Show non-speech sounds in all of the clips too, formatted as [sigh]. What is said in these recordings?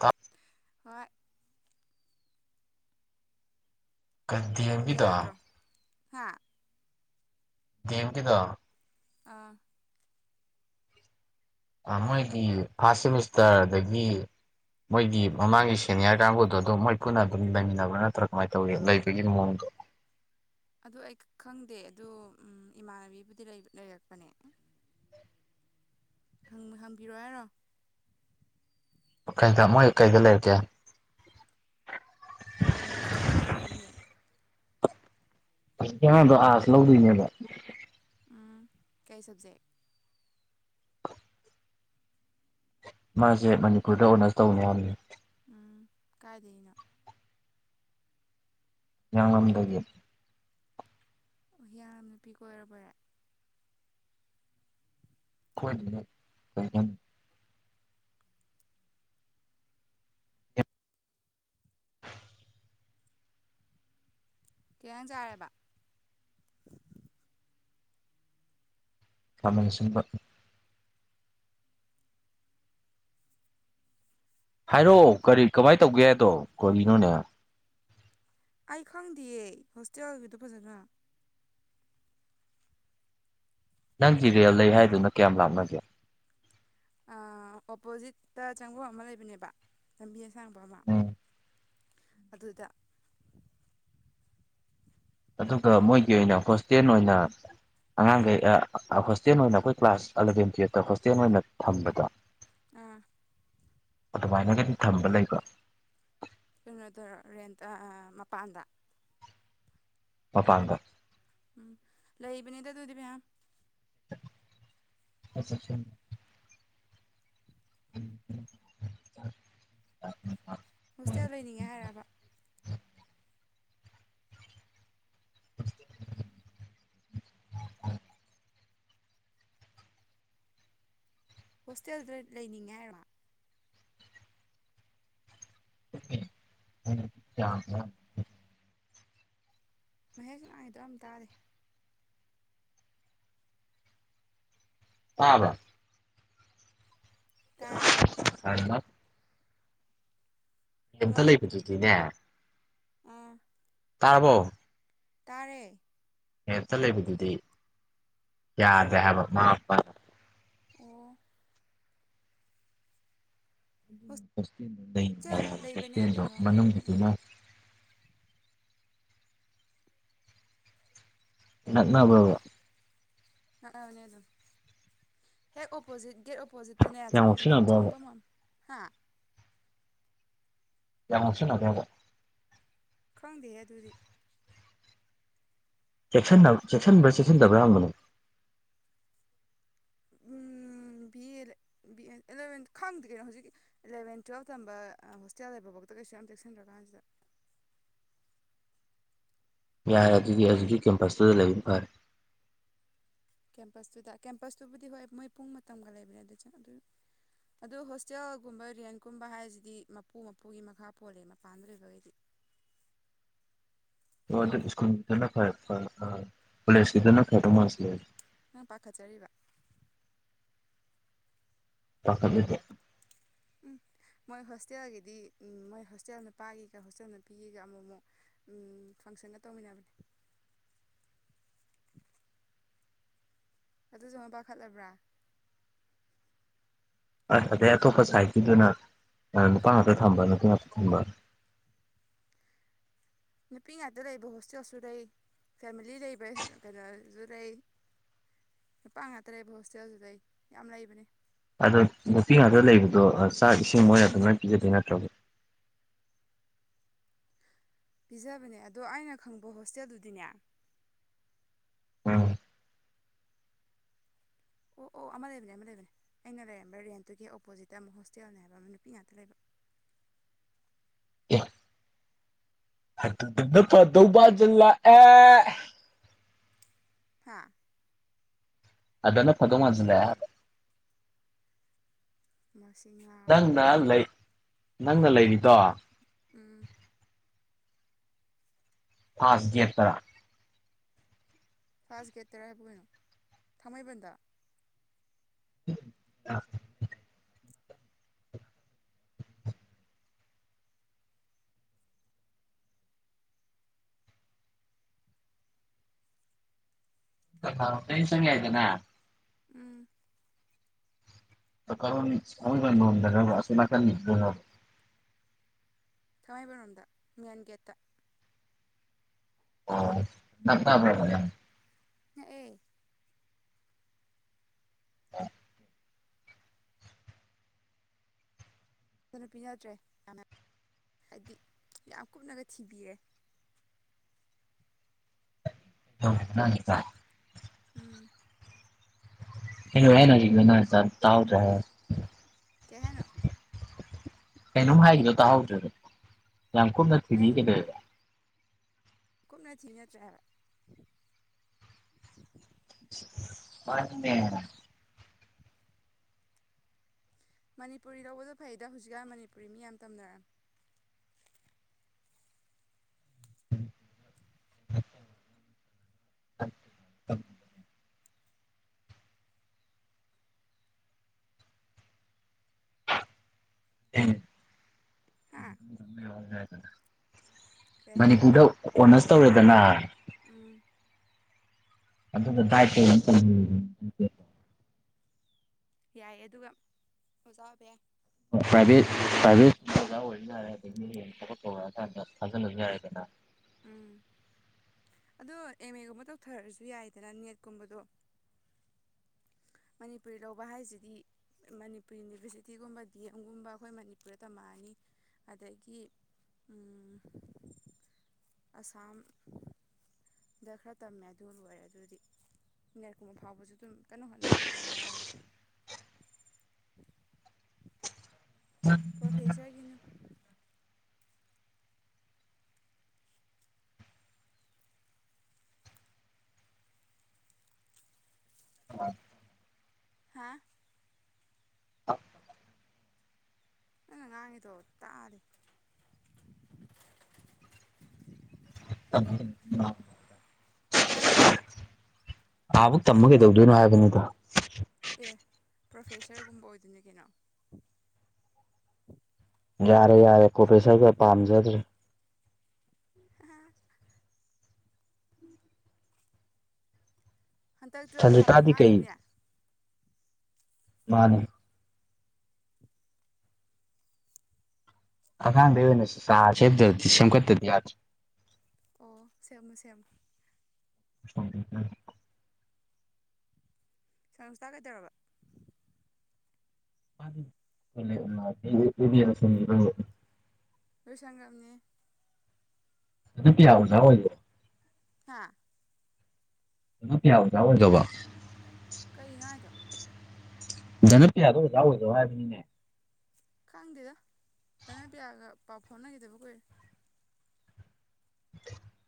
ꯀꯠ ꯍꯣꯏ ꯀꯟꯇꯦꯟꯒꯤꯗꯣ ꯍꯥꯥ ꯗꯦꯝ ꯀꯤꯗꯣ ꯑꯥ ꯃꯣꯏꯒꯤ ꯐꯥꯔꯁ ꯁꯦꯃꯤꯁꯇꯔꯗꯒꯤ ꯃꯣꯏꯒꯤ ꯃꯃꯥꯡꯒꯤ ꯁꯦꯅꯤꯌꯔ ꯀꯥꯡꯕꯨꯗꯣ ꯑꯗꯨꯝ ꯃꯣꯏ ꯄꯨꯟꯅ ꯑꯗꯨꯝ ꯂꯩꯃꯤꯟꯅꯕ꯭ꯔꯥ ꯅꯠꯇ꯭ꯔꯥ ꯀꯃꯥꯏꯅ ꯇꯧꯒꯦ ꯂꯩꯕꯒꯤ ꯃꯑꯣꯡꯗꯣ ꯑꯗꯨ ꯑꯩ ꯈꯪꯗꯦ ꯑꯗꯣ ꯏꯃꯥꯟꯅꯕꯤꯕꯨꯗꯤ ꯂꯩꯔꯛꯄꯅꯦ ꯍꯪ ꯍꯪꯕꯤꯔꯛꯑꯣ ꯍꯥꯏꯔꯣ ꯀꯩꯗ ꯃꯣꯏ ꯀꯩꯗ ꯂꯩꯔꯀꯦ ꯍꯣꯁꯇꯦꯜꯗ ꯂꯩꯔꯛꯏꯅꯦ ꯍꯧꯖꯤꯛꯀꯤ ꯑꯉꯥꯡꯗꯣ ꯑꯥꯥꯁ ꯂꯧꯗꯣꯏꯅꯦꯕ ꯎꯝ ꯀꯩ ꯁꯕꯖꯦꯛ ꯃꯥꯖꯦ ꯃꯅꯤꯄꯨꯔꯗ ꯑꯣꯅ꯭ꯔꯁ ꯇꯧꯅꯤ ꯍꯥꯏꯕꯅꯦ ꯎꯝ ꯀꯥꯏꯗꯩꯅꯣ ꯍꯤꯌꯥꯡꯂꯝꯗꯒꯤ ꯎ ꯍꯤꯌꯥ ꯅꯨꯄꯤ ꯀꯣꯏꯔꯕꯣꯏꯔꯦ ꯍꯣꯏ [inaudible] ꯀꯩꯖꯥꯡ ꯆꯥꯔꯦꯕ ꯈꯥꯃꯦꯟꯑꯁꯤꯟꯕ ꯍꯥꯏꯔꯛꯑꯣ ꯀꯔꯤ ꯀꯃꯥꯏꯅ ꯇꯧꯒꯦ ꯍꯥꯏꯗꯣ ꯀꯣꯔꯤꯅꯣꯅꯦ ꯑꯩ ꯈꯪꯗꯦꯌꯦ ꯍꯣꯁꯇꯦꯜꯒꯤꯗꯣ ꯐꯖꯅ ꯅꯪ ꯖꯤꯔꯦꯜ ꯂꯩ ꯍꯥꯏꯗꯨꯅ ꯀꯌꯥꯝ ꯂꯥꯞꯅꯒꯦ ꯑꯣꯄꯣꯖꯤꯠꯇ ꯆꯪꯕ ꯑꯃ ꯂꯩꯕꯅꯦꯕ ꯂꯝꯕꯤ ꯑꯁꯥꯡꯕ ꯑꯃ ꯎꯝ ꯑꯗꯨꯗ ꯑꯗꯨꯒ ꯃꯣꯏꯒꯤ ꯑꯣꯏꯅ ꯍꯣꯁꯇꯦꯜ ꯑꯣꯏꯅ ꯑꯉꯥꯡꯈꯩ ꯍꯣꯁꯇꯦꯜ ꯑꯣꯏꯅ ꯑꯩꯈꯣꯏ ꯀ꯭ꯂꯥꯁ ꯑꯦꯂꯚꯦꯟ ꯇꯨꯌꯦꯜꯞꯇ ꯍꯣꯁꯇꯦꯜ ꯑꯣꯏꯅ ꯊꯝꯕꯗꯣ ꯑ ꯑꯗꯨꯃꯥꯏꯅꯒꯝ ꯊꯝꯕ ꯂꯩꯕ ꯀꯩꯅꯣ ꯇꯔ ꯔꯦꯟ ꯃꯄꯥꯟꯗ ꯃꯄꯥꯟꯗ ꯑꯝ ꯂꯩꯕꯅꯤꯗ ꯑꯗꯨꯗꯤ ꯄꯌꯥꯝ [unintelligible] ꯑ ꯍꯣꯁꯇꯦꯜ ꯂꯩꯅꯤꯡꯉꯦ ꯍꯥꯏꯔꯕ ꯑꯝꯃ ꯍꯣꯁꯇꯦꯜꯗ ꯂꯩꯅꯤꯡꯉꯦ ꯍꯥꯏꯔꯣ ꯍꯣꯏ [unintelligible] ꯏ ꯃꯍꯦꯛ ꯏꯗꯣ [unintelligible] ꯌꯥꯝ ꯇꯥꯔꯦ ꯇꯕꯔꯣ ꯇꯥꯔꯦ ꯀꯃ ꯔꯦꯟꯠ ꯂꯩꯕꯗꯨꯒꯤꯅꯦ ꯑꯝ ꯇꯥꯔꯕꯣ ꯇꯔꯦ ꯔꯦꯟꯠ ꯇ ꯂꯩꯕꯗꯨꯗꯤ ꯌꯥꯗ꯭ꯔꯦ ꯍꯥꯏꯕ ꯃꯥꯃꯥ ꯃꯥꯄ ꯑꯣ ꯍꯣꯁꯇꯦꯜ ꯂꯩꯕꯅꯦ ꯐ ꯀꯩꯅꯣ ꯎꯝ ꯃꯅꯨꯡꯒꯤꯏ ꯅꯛꯅꯕꯥꯔꯕ ꯅꯛꯅꯕꯅꯤ ꯑꯗꯨꯝ ꯍꯦꯛ ꯑꯣꯄꯣꯖꯤꯖ ꯄꯣꯖꯤꯠꯇꯅꯦ ꯌꯥꯝ ꯆ ꯉꯥꯎꯁꯤꯟꯅꯕ꯭ꯔꯕ ꯆꯪꯕ ꯃ ꯍꯥꯑ ꯌꯥꯝ ꯉꯥꯑꯣꯁꯣꯟꯅꯕꯔꯕ ꯈꯪꯗꯦ ꯑꯗꯨꯗꯤ ꯆꯦꯛꯁꯤꯟꯕ ꯆꯦꯛꯁꯤꯟꯗꯕ꯭ꯔꯥ ꯍꯪꯕꯅꯦ ꯕꯤ ꯑꯦ ꯑꯦꯂꯚꯦꯟ ꯈꯪꯗꯦ ꯀꯩꯅꯣ ꯍꯧꯖꯤꯛꯀꯤ ꯑꯦꯂꯚꯦꯟ ꯇꯨꯋꯦꯜꯞ ꯇꯝꯕ ꯍꯣꯁꯇꯦꯜ ꯂꯩꯕꯐꯥꯎꯗ ꯀꯩꯁꯨ ꯌꯥꯝꯝ ꯇꯦꯛꯁꯤꯟꯈ꯭ꯔꯀꯥꯟꯁꯤꯗ ꯌꯥꯔ ꯑꯗꯨꯗꯒꯤ ꯑꯗꯨꯛꯀꯤ ꯀꯦꯝꯄꯁꯇꯨꯗ ꯂꯩꯕ ꯐꯔꯦ ꯀꯦꯝꯄꯁꯇꯨꯗ ꯀꯦꯝꯄꯁꯇꯨꯕꯨꯗꯤ ꯍꯣꯏ ꯃꯣꯏ ꯄꯨꯡ ꯃꯇꯝꯒ ꯂꯩꯕꯅꯤ ꯑꯗꯨ ꯑꯗꯨ ꯑꯗꯨ ꯍꯣꯁꯇꯦꯜꯒꯨꯝꯕ ꯔꯦꯟꯀꯨꯝꯕ ꯍꯥꯏꯁꯤꯗꯤ ꯃꯄꯨ ꯃꯄꯨꯒꯤ ꯃꯈꯥ ꯄꯣꯜꯂꯦ ꯃꯄꯥꯟꯗ ꯂꯩꯕꯈꯩꯗꯤ ꯑꯣ ꯏꯁꯀꯨꯜ ꯐ ꯄꯂꯦꯁꯀꯤꯗꯅ ꯐꯇꯣ ꯃꯥꯁꯂ ꯑ ꯄꯥꯈꯠꯆꯔꯤꯕ ꯄꯈꯦꯂꯨꯗꯦ ꯑꯝ ꯃꯣꯏ ꯍꯣꯁꯇꯦꯜꯒꯤꯗꯤ ꯃꯣꯏ ꯍꯣꯁꯇꯦꯜ ꯅꯨꯄꯥꯒꯤꯒ ꯍꯣꯁꯇꯦꯜ ꯅꯨꯄꯤꯒꯤꯒ ꯑꯃꯨꯛ ꯑꯃꯨꯛ ꯐꯪꯁꯟꯒ ꯇꯧꯃꯤꯟꯅꯕꯅꯦ ꯑꯗꯨꯖꯨ ꯑꯃꯨꯛ ꯄꯥꯈꯠꯂꯕ꯭ꯔ ꯑ ꯑꯗꯩ ꯑꯇꯣꯞꯄ ꯁꯥꯏꯠꯇꯀꯤꯗꯨꯅ ꯅꯨꯄꯥ ꯉꯥꯛꯇ ꯊꯝꯕ ꯅꯨꯄꯤ ꯉꯥꯛꯇ ꯊꯝꯕ ꯅꯨꯄꯤ ꯉꯥꯛꯇ ꯂꯩꯕ ꯍꯣꯁꯇꯦꯜꯁꯨ ꯂꯩ ꯐꯦꯃꯤꯂꯤ ꯂꯩꯕ ꯀꯩꯅꯣꯁꯨ ꯂꯩ ꯅꯨꯄꯥ ꯉꯥꯛꯇ ꯂꯩꯕ ꯍꯣꯁꯇꯦꯜꯁꯨ ꯂꯩ ꯌꯥꯝ ꯂꯩꯕꯅꯤ ꯑꯗꯣ ꯅꯨꯄꯤ ꯉꯥꯛꯇ ꯂꯩꯕꯗꯣ ꯆꯥꯛ ꯏꯁꯤꯡ ꯃꯣꯏ ꯑꯗꯨꯅ ꯄꯤꯒꯗꯣꯏ ꯅꯠꯇ꯭ꯔꯕ ꯄꯤꯖꯕꯅꯦ ꯑꯗꯣ ꯑꯩꯅ ꯈꯪꯕ ꯍꯣꯁꯇꯦꯜꯗꯨꯗꯤꯅꯦ ꯑꯝ꯫ ꯑꯣ ꯑꯣ ꯑꯃ ꯂꯩꯕꯅꯦ ꯑꯃ ꯂꯩꯕꯅꯦ ꯑꯩꯅ ꯂꯩꯔꯝꯕ ꯔꯦꯟꯠꯇꯨꯒꯤ ꯑꯣꯄꯣꯖꯤꯠꯇ ꯑꯃꯨꯛ ꯍꯣꯁꯇꯦꯜꯅꯦ ꯍꯥꯏꯕ ꯑꯃ ꯅꯨꯄꯤ ꯉꯥꯛꯇ ꯂꯩꯕ ꯑꯦ ꯑꯗꯨꯗꯅ ꯐꯗꯧ ꯃꯥꯟꯖꯜꯂꯛꯑꯦ ꯍꯥꯥ ꯑꯗꯅ ꯐꯗꯩ ꯃꯥꯟꯁꯜꯂꯛꯑꯦ ꯃꯁꯤ ꯉꯥꯎꯔꯦ ꯂꯩ ꯅꯪꯅ ꯂꯩꯔꯤꯗꯣ ꯎꯝ ꯐꯥꯁ ꯒꯦꯠ ꯇꯔꯥ ꯐꯥꯁ ꯒꯦꯠ ꯇꯔꯥꯕꯨ ꯀꯩꯅꯣ ꯊꯥꯡꯃꯩꯕꯟꯗ [unintelligible] [unintelligible] ꯎꯝ ꯀꯔꯣꯝ ꯊꯥꯡꯃꯩꯕꯟ ꯔꯣꯝꯗꯔꯕ ꯑꯁꯣꯝ ꯅꯥꯀꯟ [unintelligible] ꯊꯥꯡꯃꯩꯕꯟꯔꯣꯝꯗ ꯃꯦꯟꯒꯦꯠꯇ ꯑꯣ ꯅꯛꯅꯕ꯭ꯔꯕ ꯌꯥꯝ ꯅꯛꯑꯦ ꯑ ꯐꯖꯅ ꯄꯤꯅꯗ꯭ꯔꯦꯅ ꯍꯥꯏꯗꯤ ꯌꯥꯝ ꯀꯨꯞꯅꯒ ꯊꯤꯕꯤꯔꯦ [unintelligible] ꯎꯝ [unintelligible] ꯀꯩ ꯍꯥꯏꯅꯣ ꯀꯩꯅꯣꯝ ꯍꯥꯏꯒꯤꯗ꯭ꯔꯣ ꯇꯥꯍꯧꯗ꯭ꯔꯦꯕ ꯌꯥꯝꯀꯨꯞꯅ ꯊꯤꯕꯤ ꯅꯪ ꯀꯩꯗꯧꯋꯦꯕ ꯀꯨꯞꯅ ꯊꯤꯔꯤ ꯅꯠꯇ꯭ꯔ ꯍꯥꯏꯕ [unintelligible] ꯃꯅꯤꯄꯨꯔꯤ ꯂꯧꯕꯗꯣ ꯐꯩꯗ ꯍꯧꯖꯤꯛꯀꯥꯟ ꯃꯅꯤꯄꯨꯔꯤ ꯃꯤ ꯌꯥꯝ ꯇꯝꯅꯔꯝꯅꯤ [unintelligible] ꯍꯥ ꯀꯩ [unintelligible] ꯍꯥꯏꯅꯣ ꯃꯅꯤꯄꯨꯔꯗ ꯑꯣꯅꯔꯁ ꯇꯧꯔꯦꯗꯅ ꯎꯝ ꯑꯗꯨꯅ ꯗꯥꯏꯠ [unintelligible] ꯌꯥꯏ ꯑꯗꯨꯒ ꯑꯣꯖꯥ ꯑꯣꯏꯕ ꯌꯥꯏ ꯄ꯭ꯔꯥꯏꯚꯦꯠ ꯄ꯭ꯔꯥꯏꯚꯦꯠ ꯑꯣꯖꯥ ꯑꯣꯏꯕ ꯌꯥꯔꯦ ꯑꯗꯒꯤ ꯊꯕꯛ ꯀꯧꯔꯛ ꯀꯥꯟꯗ ꯊꯥꯖꯜꯂꯁꯨ ꯌꯥꯔꯦꯗꯅ ꯎꯝ ꯑꯗꯣ ꯑꯦꯝ ꯑꯦꯒꯨꯝꯕ ꯇꯧꯊꯔꯁꯨ ꯌꯥꯏꯗꯅ ꯅꯦꯠꯀꯨꯝꯕꯗꯣ ꯃꯅꯤꯄꯨꯔꯤ ꯂꯧꯕ ꯍꯥꯏꯁꯤꯗꯤ ꯃꯅꯤꯄꯨ ꯌꯨꯅꯤꯚꯔꯁꯤꯇꯤꯒꯨꯝꯕ ꯗꯤ ꯑꯦꯝ ꯒꯨꯝꯕ ꯑꯩꯈꯣꯏ ꯃꯅꯤꯄꯨꯔꯗ ꯇꯝꯃꯛꯑꯅꯤ ꯑꯗꯒꯤ ꯎꯝ ꯑꯁꯥꯝ ꯗ ꯈꯔ ꯇꯝꯃꯦ ꯑꯗꯨ ꯂꯣꯏꯔꯦ ꯑꯗꯨꯗꯤ ꯅꯦꯠ ꯀꯨꯝꯕ ꯐꯥꯎꯕꯁꯨ ꯑꯗꯨꯝ ꯀꯟꯅ ꯍꯣꯠꯅꯔꯗꯤ ꯌꯥꯝ ꯂꯥꯏꯔꯕꯅꯦ ꯄꯔꯣꯐꯦꯁꯔ ꯒꯤꯅꯤ ꯑ ꯍꯥ ꯅꯪꯅ ꯉꯥꯡꯉꯤꯗꯣ ꯇꯥꯗꯦ [unintelligible] ꯀꯦ ꯍꯥꯏꯅꯣ ꯑꯥꯃꯨꯛ ꯇꯝꯕ ꯀꯩꯗꯧꯗꯣꯏꯅꯣ ꯍꯥꯏꯕꯅꯤꯗ ꯑꯦ ꯄ꯭ꯔꯣꯐꯦꯁꯔꯒꯨꯝꯕ ꯑꯣꯏꯗꯣꯏꯅꯤ ꯀꯩꯅꯣ ꯌꯥꯔꯦ ꯌꯥꯔꯦ ꯄꯔꯣꯐꯦꯁꯔꯒ ꯄꯥꯝꯖꯗ꯭ꯔꯦ ꯑ [inaudible] ꯍꯟꯗꯛ ꯇꯨꯌꯦꯜꯞ ꯊꯥꯕ ꯁꯟꯖꯤꯇꯥꯗꯤ ꯀꯩ ꯑꯉꯥꯡꯅꯤꯅꯦ ꯃꯥꯅꯦ ꯑꯉꯥꯪꯗꯩꯩ ꯑꯣꯏꯅꯥ ꯆꯔ ꯁꯦꯝ ꯁꯦꯝꯒꯠꯇꯔ꯭ꯗꯤ ꯌꯥꯗꯔ꯭ꯦ ꯑꯣ ꯁꯦꯝꯃꯣ ꯁꯦꯝꯃꯣ [inaudible] ꯁꯪ [unintelligible] ꯇꯥꯒꯩꯗꯔꯕ [unintelligible] [unintelligible] [unintelligible] ꯂꯣꯏꯁꯟꯒꯔꯕꯅꯤꯌꯦ ꯑꯗꯨ ꯄꯤꯌꯥ ꯑꯣꯖ ꯑꯣꯏꯔꯤꯔꯣ ꯍꯥꯥ ꯑꯣꯖꯥ ꯑꯣꯏꯔꯕꯥ ꯀꯩꯅꯣ ꯍꯥꯏꯗꯣ ꯖꯅꯄ꯭ꯌꯥꯗꯣ ꯑꯣꯖꯥ ꯑꯣꯏꯒꯔꯕ ꯍꯥꯏꯕꯅꯤꯅꯦ ꯈꯪꯗꯦꯗ ꯗꯅꯄꯤꯌꯥꯒ ꯄꯥꯎ ꯐꯥꯎꯅꯈꯤꯗꯕ ꯀꯨꯏꯔꯦ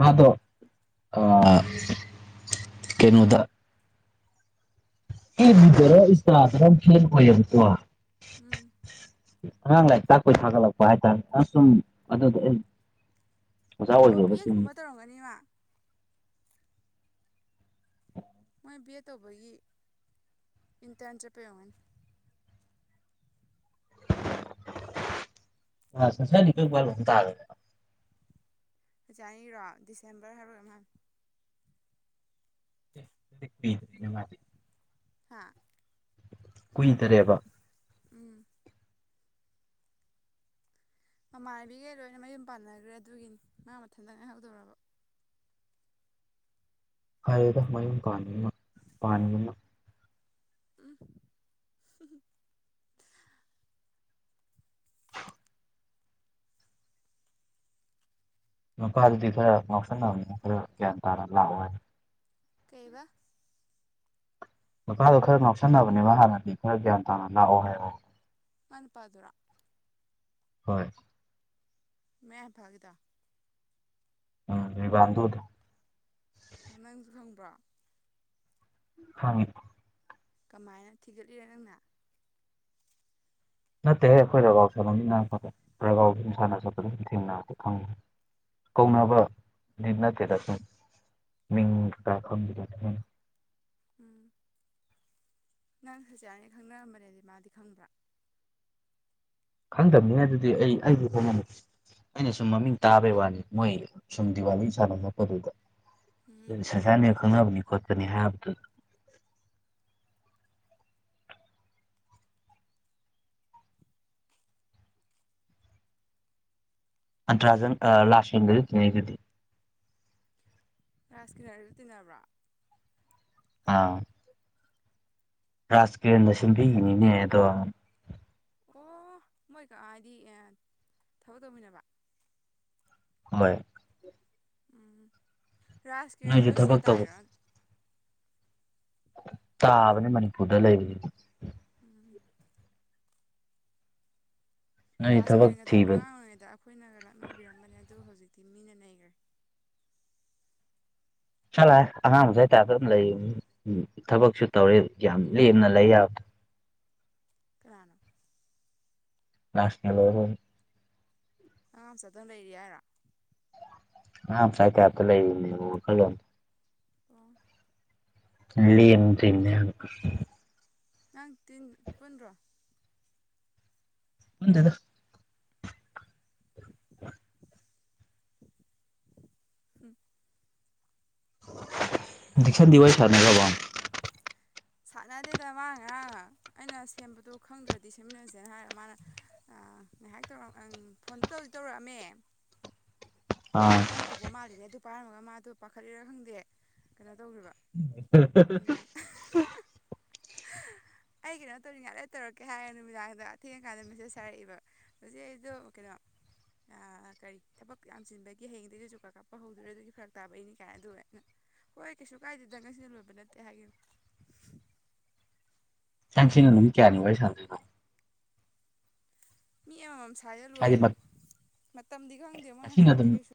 ꯃꯥꯗꯣ ꯑ ꯀꯩꯅꯣꯗ ꯑꯕ ꯕꯤꯗꯔꯥ ꯏꯟꯁ ꯇꯥꯗꯔꯥ ꯀꯩꯅꯣ ꯐꯔꯦꯟ ꯑꯣꯏꯌꯦꯕꯥ ꯀꯣ ꯎꯝ ꯑꯉꯥꯡ ꯂꯥꯏꯔꯤꯛ ꯇꯛꯄꯩ ꯊꯒꯠꯂꯛꯄ ꯍꯥꯏ ꯇꯥꯔꯦ ꯁꯨꯝ ꯑꯗꯨ ꯑꯣ ꯕꯤ ꯑꯦꯗ ꯀꯨꯝꯕ ꯇꯧꯔꯝꯒꯅꯤ ꯃ [inaudible] ꯃꯣꯏ ꯕꯤ ꯑꯦ ꯇꯧꯕꯒꯤ ꯏꯟꯇꯔꯟ ꯆꯠꯄꯒꯤ ꯑꯣꯏꯔꯝꯒꯅꯤ [inaudible] [unintelligible] ꯐꯖ [unintelligible] ꯑꯅꯤꯔꯣ ꯗꯤꯁꯦꯝꯕꯔ ꯍꯥꯏꯕꯔꯥ ꯀꯩꯅꯣꯝ ꯍꯥꯏꯕꯅꯦ ꯔꯤ ꯃꯥ [unintelligible] ꯍꯥ ꯀꯨꯏꯗꯔꯦꯕ ꯎꯝ ꯃꯃꯥꯟꯅꯕꯤꯒꯩ ꯂꯣꯏꯅ ꯃꯌꯨꯝ ꯄꯥꯟꯅꯈ꯭ꯔꯦ ꯑꯗꯨꯒꯤꯅꯤ ꯃꯥ ꯃꯊꯟꯇ ꯉꯥꯏꯍꯧꯗꯧꯔꯕ ꯐꯔꯦꯗ ꯃꯌꯨꯝ ꯄꯟꯒꯤꯕꯅꯥ ꯄꯥꯟꯒꯤꯕꯅꯥ ꯎꯝ ꯅꯨꯄꯥꯗꯨꯗꯤ ꯈꯔ ꯉꯥꯎꯁꯟꯅꯕꯅꯤ ꯈꯔ ꯒ꯭ꯌꯥꯟ ꯇꯥꯅ ꯂꯥꯛꯑꯣ ꯍꯥꯏꯅꯤ ꯀꯩꯕ ꯃꯄꯥꯗꯣ ꯈꯔ ꯉꯥꯎꯁꯟꯅꯕꯅꯤꯅ ꯍꯥꯟꯅꯗꯤ ꯈꯔ ꯒ꯭ꯌꯥꯟ ꯇꯥꯅ ꯂꯥꯛꯑꯣ ꯍꯥꯏꯑꯣ ꯃꯥꯏ ꯅꯨꯄꯥꯗꯨꯔ ꯍꯣꯏ ꯃꯌꯥꯡ ꯏꯝꯐꯜꯒꯤꯗꯣ ꯎꯝꯕꯥꯥꯟꯗꯗ [unintelligible] ꯅꯪꯖꯨ ꯈꯪꯕ꯭ꯔ ꯈꯡꯏ ꯀꯃꯥꯏꯅ ꯊꯤꯒꯠꯂꯤꯔ ꯅꯪꯅ ꯅꯠꯇꯦꯍꯦ ꯑꯩꯈꯣꯏ ꯔꯒꯥꯎ ꯁꯥꯟꯅꯃꯤꯟꯅꯄ ꯔꯒꯥꯎ ꯑꯗꯨꯨꯝ ꯁꯥꯟꯅ ꯆꯠꯄꯗ ꯑꯗꯨꯨꯝ ꯊꯦꯡꯅꯔ ꯈꯪꯉꯦ ꯀꯧꯅꯕꯗꯤ ꯅꯠꯇꯦꯗ ꯑꯗꯨꯝ ꯃꯤꯡ ꯀꯀꯥ ꯈꯪꯕꯗꯣ ꯎꯝ ꯅꯪ ꯁꯨꯖꯤꯌꯥꯅꯤ ꯈꯪꯅꯔꯝꯕꯅꯦꯗꯤ ꯃꯥꯗꯤ ꯈꯪꯕ꯭ꯔꯥ ꯈꯪꯗꯕꯅꯤ ꯍꯥꯏꯗꯤ ꯑꯩ ꯑꯩꯗꯤ ꯈꯪꯉꯝꯃꯣꯏ ꯑꯩꯅ ꯁꯨꯝ ꯃꯃꯤꯡ ꯇꯥꯕꯩ ꯋꯥꯅꯤ ꯃꯣꯏ ꯁꯨꯝ ꯗꯤꯋꯥꯂꯤ ꯁꯥꯟꯅꯝꯂꯄꯗꯨꯗ ꯎꯝ ꯁꯁꯥꯅꯤ ꯈꯪꯅꯕꯅꯤ ꯈꯣꯠꯄꯅꯤ ꯍꯥꯏꯕꯗꯨ ꯑꯟꯇ꯭ꯔꯥꯖꯟ ꯂꯁꯋꯤꯟꯗꯖꯨ ꯊꯦꯡꯅꯩꯗꯨꯗ ꯔꯥꯁꯀꯤꯅꯔꯖꯨ [inaudible] ꯇꯤꯟꯅꯕ꯭ꯔꯥ ꯑꯥ ꯔꯥꯖꯀꯤꯔꯅ ꯁꯦꯝꯕꯤꯈꯤꯅꯤꯅꯦ ꯑꯗꯣ ꯑꯣ ꯃꯣꯏꯛ ꯍꯥꯏꯗꯤ ꯊꯕꯛ ꯇꯧꯃꯤꯟꯅꯕ ꯃꯣꯏ ꯎꯝ ꯅꯣꯏꯁꯨ ꯔꯥꯥꯁꯀꯤꯔꯟꯗꯣ ꯊꯕꯛ ꯁꯤꯗ ꯇꯧ ꯇꯥꯏꯔꯥ ꯇꯥꯕꯅꯦ ꯃꯅꯤꯄꯨꯔꯗ ꯂꯩꯔꯤꯕꯅꯤ ꯎꯝ ꯅꯣꯏ ꯊꯕꯛ ꯔꯥꯥꯁꯀꯤꯔꯟꯑꯗꯣ ꯊꯤꯕ ꯑꯉꯥꯡ ꯑꯣꯏꯔꯤꯉꯩꯗ ꯑꯩꯈꯣꯏꯅꯒ ꯂꯥꯛꯅꯕꯤꯔꯝꯕꯅꯦ ꯑꯗꯨ ꯍꯧꯖꯤꯛꯇꯤ ꯃꯤꯅ ꯅꯩꯒꯔꯦ ꯆꯠꯂꯣꯍꯦ ꯑꯉꯥꯡ ꯃꯆꯥꯏ ꯇꯥꯢꯞꯇ ꯑꯗꯨꯝ ꯂꯩꯃꯤ ꯊꯕꯛꯁꯨ ꯇꯧꯔꯦ ꯌꯥꯝ ꯂꯦꯝꯅ ꯂꯩ ꯌꯥꯕꯗꯣ ꯀꯥꯅ [inaudible] ꯂꯁꯃꯦꯂꯣꯗꯣ ꯑꯉꯥꯡꯃꯆꯥꯗꯧ ꯂꯩꯔꯤ ꯍꯥꯏꯔꯣ ꯑꯉꯥꯡꯃꯆꯥꯏ ꯇꯥꯏꯞꯇ ꯂꯩꯔꯤꯃꯦꯕ ꯋꯥꯈꯜꯂꯣꯟ ꯀ [inaudible] ꯂꯦꯝꯗꯔ꯭ꯤꯝꯅꯦ ꯍꯥꯏꯕ ꯅꯪ ꯇꯤꯟ ꯄꯨꯟꯗꯔꯣ ꯄꯨꯟꯗꯦꯗꯥ ꯍ [inaudible] ꯎꯝ ꯗꯤꯛꯁꯟꯗꯤ ꯋꯥꯔꯤ ꯁꯥꯟꯅꯥꯒꯔꯥꯕꯣ ꯁꯥꯟꯅꯗꯦꯗ ꯃꯥ ꯉꯔꯥꯡ ꯑꯩꯅ ꯁꯦꯝꯕꯗꯣ ꯈꯪꯗ꯭ꯔꯗꯤ ꯁꯦꯝꯃꯤꯟꯅꯁꯦꯅ ꯍꯥꯏꯔꯒ ꯃꯥꯅ ꯉꯥꯏꯍꯥꯛ ꯇꯧꯔ ꯐꯣꯟ ꯇꯧꯗꯤ ꯇꯧꯔꯛꯑꯝꯃꯦ ꯃꯦ ꯑꯥ ꯑꯩꯅ ꯇꯧꯕ ꯃꯥꯂꯤꯗ ꯑꯗꯨ ꯄꯥꯏꯔꯝꯃꯒ ꯃꯥꯗꯣ ꯄꯥꯈꯠꯂꯤꯔꯥ ꯈꯪꯗꯦ ꯀꯩꯅꯣ ꯇꯧꯈ꯭ꯔꯤꯕ ꯎꯝ ꯑꯥꯑꯍꯥ ꯑꯩ ꯀꯩꯅꯣ ꯇꯧꯅꯤꯡꯉꯥꯏ ꯂ ꯇꯧꯔꯛꯀꯦ ꯍꯥꯏꯔ ꯅꯨꯃꯤꯗꯥꯡꯗ ꯊꯦꯡꯉꯀꯥꯟꯗ ꯃꯦꯁꯦꯁ ꯍꯥꯏꯔꯛꯏꯕ ꯍꯧꯖꯤꯛ ꯑꯩꯗꯣ ꯀꯩꯅꯣ ꯀꯔꯤ ꯊꯕꯛ ꯌꯥꯝ ꯆꯤꯟꯕꯒꯤ ꯍꯌꯦꯡꯗꯒꯤꯩꯁꯨ ꯆꯨꯀꯥ ꯀꯥꯞꯄ ꯍꯧꯗꯣꯏꯔꯦ ꯑꯗꯨꯒꯤ ꯐꯔꯛ ꯇꯥꯕꯏꯅꯤ ꯀꯥꯏꯅ ꯑꯗꯨꯩꯅ ꯍꯣꯏ ꯀꯩꯁꯨ ꯀꯥꯏꯗꯦꯗ ꯉꯁꯤꯅ ꯂꯣꯏꯕ ꯅꯠꯇꯦ ꯍꯥꯏꯒꯤꯝꯅꯤ ꯁꯪꯁꯤꯅ ꯅꯨꯅꯤꯠ ꯀꯌꯥꯅꯤ ꯋꯥꯔꯤ ꯁꯅꯥꯗꯣꯏꯕ ꯃꯤ ꯑꯃꯃꯥꯝ ꯊꯥꯏꯖ ꯍꯥꯏꯗꯤ ꯂꯣꯏꯔꯦꯗ ꯃꯇꯝꯗꯤ ꯈꯪꯗꯦ ꯃꯣꯏꯅ ꯉꯁꯤꯅ ꯍꯥꯏꯔꯛꯇꯦ ꯑꯗꯨꯝ ꯀꯩꯁꯨ